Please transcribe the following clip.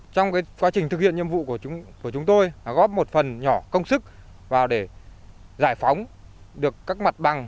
trong quá trình thực hiện nhiệm vụ của chúng tôi góp một phần nhỏ công sức vào để giải phóng được các mặt bằng